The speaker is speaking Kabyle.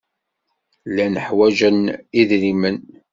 Llan ḥwajen idrimen.